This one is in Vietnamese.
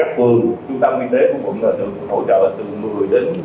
f một là một triệu rưỡi